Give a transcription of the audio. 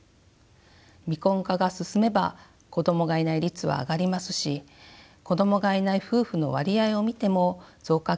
未婚化が進めば子どもがいない率は上がりますし子どもがいない夫婦の割合を見ても増加傾向にあります。